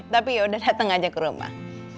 tapi ya udah dateng aja ke rumah